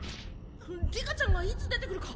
里香ちゃんがいつ出てくるか